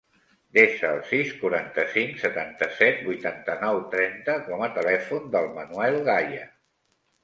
Desa el sis, quaranta-cinc, setanta-set, vuitanta-nou, trenta com a telèfon del Manuel Gaya.